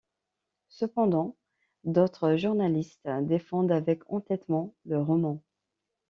Cependant d'autres journalistes défendent avec entêtement le roman.